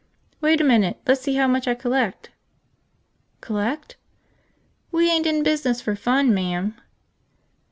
"Wait a minute. Let's see how much I collect." "Collect?" "We ain't in business for fun, ma'am."